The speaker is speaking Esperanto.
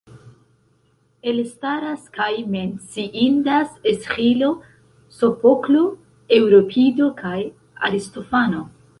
Elstaras kaj menciindas Esĥilo, Sofoklo, Eŭripido kaj Aristofano.